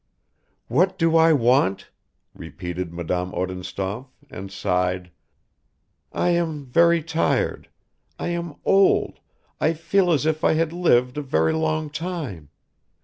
"What do I want," repeated Madame Odintsov and sighed. "I am very tired, I am old, I feel as if I had lived a very long time.